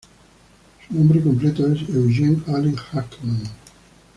Su nombre completo es Eugene Allen Hackman.